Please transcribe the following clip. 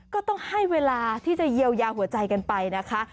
ก็ต้องให้เวลาที่จะเยียวยาหัวใจกันไปนะคะ